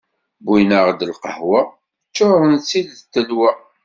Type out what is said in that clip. Wwin-aɣ-id lqahwa, ččuren-tt-id d ttelwa.